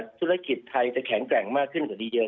ธุรกิจไทยจะแข็งแกร่งมากขึ้นกว่าดีเย